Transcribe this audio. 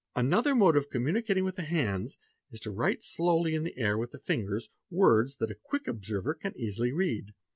| Another mode of communicating with the hands is to write slowly in the air with the fingers words that a quick observer can easily read 4)